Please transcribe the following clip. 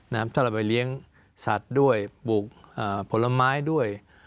ถ้าเราไปเลี้ยงสัตว์ด้วยปลูกผลไม้ด้วย